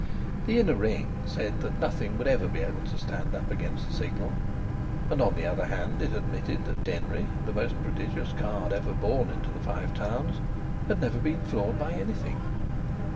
The inner ring said that nothing would ever be able to stand up against the Signal. On the other hand, it admitted that Denry, the most prodigious card ever born into the Five Towns, had never been floored by anything.